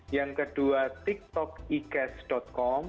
yang kedua tiktok cash